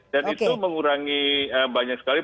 dan itu mengurangi banyak sekali